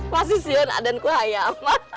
pasti sih ya aden ku ayam